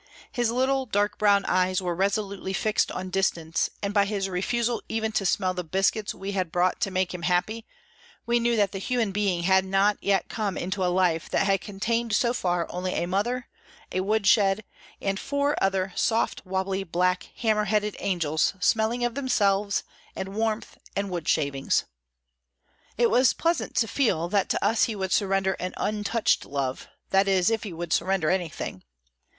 His little dark brown eyes were resolutely fixed on distance, and by his refusal to even smell the biscuits we had brought to make him happy, we knew that the human being had not yet come into a life that had contained so far only a mother, a wood shed, and four other soft, wobbly, black, hammer headed angels, smelling of themselves, and warmth, and wood shavings. It was pleasant to feel that to us he would surrender an untouched love, that is, if he would surrender anything.